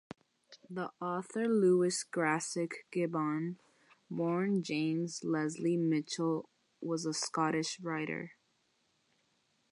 The author Lewis Grassic Gibbon, born James Leslie Mitchell, was a Scottish writer.